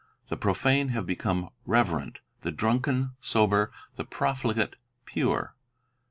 The profane have become reverent, the drunken sober, the profligate pure.